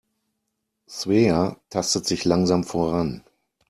Svea tastet sich langsam voran.